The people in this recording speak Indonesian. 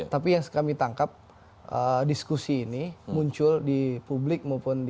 tapi yang kami tangkap diskusi ini muncul di publik maupun di